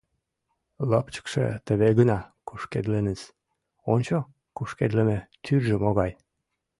— Лапчыкше теве гына кушкедленыс, ончо, кушкедлыме тӱржӧ могай.